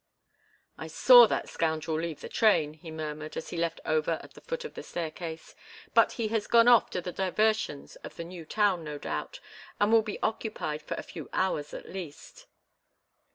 "I saw that scoundrel leave the train," he murmured, as he left Over at the foot of the staircase, "but he has gone off to the diversions of the new town, no doubt, and will be occupied for a few hours at least."